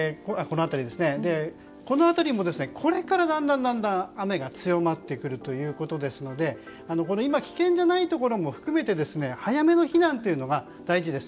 この辺りもこれからだんだん雨が強まってくるということですので今、危険じゃないところも含めて早めの避難が大事です。